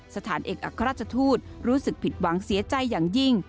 สถานเอกอัครราชทูตรู้สึกผิดหวังเสียใจอย่างยิ่ง